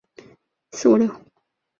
分为神南一丁目与神南二丁目。